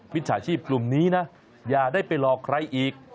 จฉาชีพกลุ่มนี้นะอย่าได้ไปหลอกใครอีก